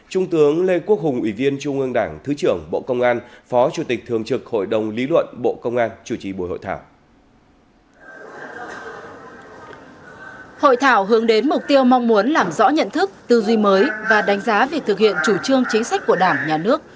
hội thảo hướng đến mục tiêu mong muốn làm rõ nhận thức tư duy mới và đánh giá việc thực hiện chủ trương chính sách của đảng nhà nước